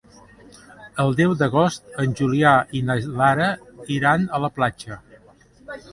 El deu d'agost en Julià i na Lara iran a la platja.